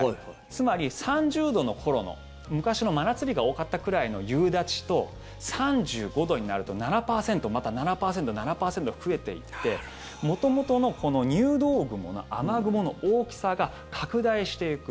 つまり３０度の頃の昔の真夏日が多かったくらいの夕立と３５度になると７％、また７％、７％増えていって元々の入道雲の雨雲の大きさが拡大していく。